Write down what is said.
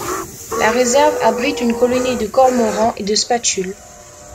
La réserve abrite une colonie de cormorans et de spatules.